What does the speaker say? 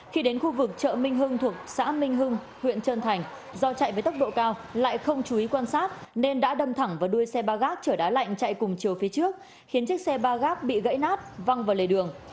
khi đến khu vực chợ minh hưng thuộc xã minh hưng huyện trân thành do chạy với tốc độ cao lại không chú ý quan sát nên đã đâm thẳng vào đuôi xe ba gác trở đá lạnh chạy cùng chiều phía trước khiến chiếc xe ba gác bị gãy nát văng vào lề đường